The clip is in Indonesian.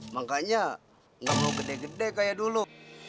makanya nggak mau gede gede kayak dulu